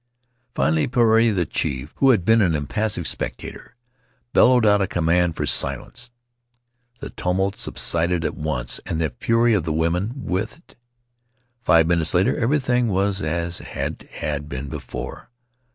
Finally, Puarei, the chief, who had been an impassive spectator, bel lowed out a command for silence. The tumult sub sided at once, and the fury of the women with it. Five minutes later everything was as it had been before.